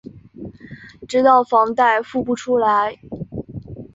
直到房贷付不出来